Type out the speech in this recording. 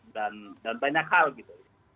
dan banyak hal gitu